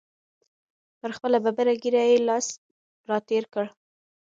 پر خپله ببره ږیره یې لاس را تېر کړ.